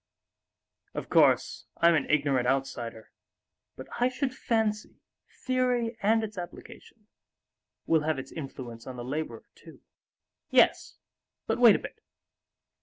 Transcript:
Of course, I'm an ignorant outsider; but I should fancy theory and its application will have its influence on the laborer too." "Yes, but wait a bit.